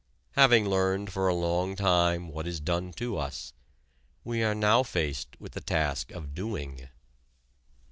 Having learned for a long time what is done to us, we are now faced with the task of doing.